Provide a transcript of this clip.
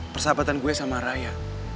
persahabatan gue sama raya